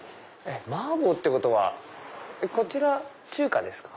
麻婆ってことはこちら中華ですか？